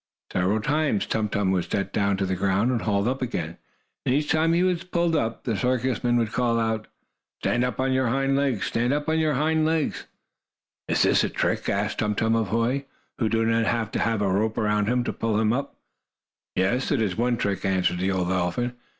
Several times Tum Tum was let down to the ground, and hauled up again, and each time he was pulled up, the circus man would call out: "Stand up on your hind legs! Stand up on your hind legs!" "Is this a trick?" asked Tum Tum of Hoy, who did not have to have a rope around him to pull him up. "Yes, it is one trick," answered the old elephant.